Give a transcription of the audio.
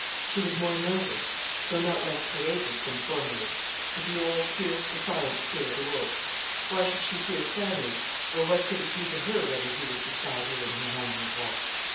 She was more nervous, though not less courageous than formerly. But the old, fierce, defiant spirit awoke. Why should she fear Stanley, or what could it be to her whether he was beside her in her homeward walk?